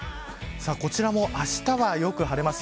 こちらもあしたは、よく晴れます。